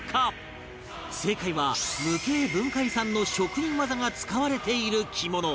正解は無形文化遺産の職人技が使われている着物